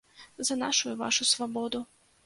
За нашу і вашу свабоду!